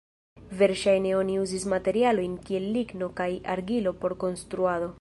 Verŝajne oni uzis materialojn kiel ligno kaj argilo por konstruado.